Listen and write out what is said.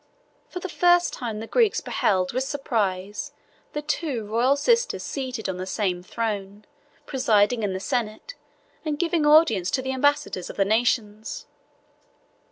For the first time the Greeks beheld with surprise the two royal sisters seated on the same throne, presiding in the senate, and giving audience to the ambassadors of the nations.